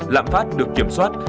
lãm phát được kiểm soát